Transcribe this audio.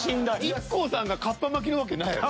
ＩＫＫＯさんがカッパ巻きのわけないやろ。